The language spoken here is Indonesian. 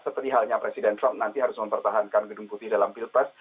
seperti halnya presiden trump nanti harus mempertahankan gedung putih dalam pilpres